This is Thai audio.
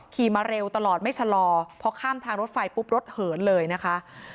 มาเร็วตลอดไม่ชะลอพอข้ามทางรถไฟปุ๊บรถเหินเลยนะคะ